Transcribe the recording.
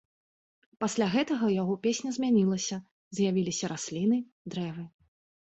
Пасля гэтага яго песня змянілася, з'явіліся расліны, дрэвы.